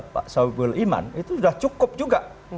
pak soebul iman itu sudah cukup juga